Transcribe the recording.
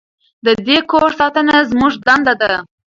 د دې کور ساتنه زموږ دنده ده.